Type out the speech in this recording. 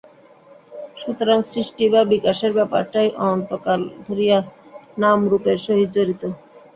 সুতরাং সৃষ্টি বা বিকাশের ব্যাপারটাই অনন্তকাল ধরিয়া নাম-রূপের সহিত জড়িত।